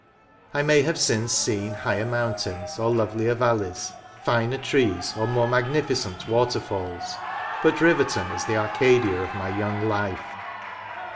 I may have since seen higher mountains or lovelier valleys, finer trees or more magnificent waterfalls, but Riverton is the Arcadia of my young life.